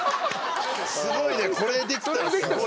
すごいねこれできたらすごいよ。